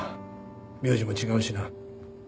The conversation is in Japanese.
名字も違うしな。